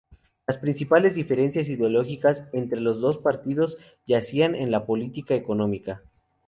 Las principales diferencias ideológicas entre los dos partidos yacían en la política económica.